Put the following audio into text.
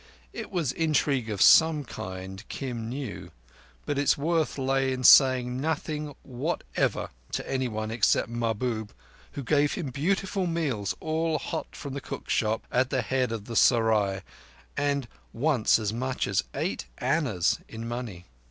It was intrigue of some kind, Kim knew; but its worth lay in saying nothing whatever to anyone except Mahbub, who gave him beautiful meals all hot from the cookshop at the head of the serai, and once as much as eight annas in money.